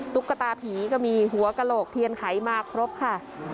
ตุ๊กตาผีก็มีหัวกระโหลกเทียนไขมาครบค่ะ